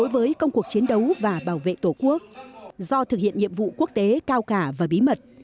với công cuộc chiến đấu và bảo vệ tổ quốc do thực hiện nhiệm vụ quốc tế cao cả và bí mật